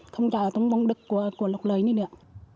không cho ở trong vùng đất của lục lợi nữa